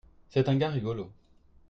C'est un gars rigolo.